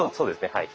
はい。